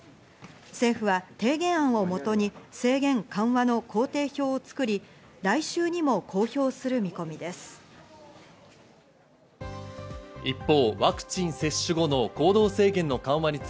政府は提言案を基に制限緩和の行程表を作り、来週にも公表する見込みです。